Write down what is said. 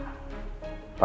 kalau elsa ada salah